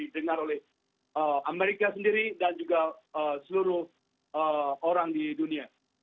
didengar oleh amerika sendiri dan juga seluruh orang di dunia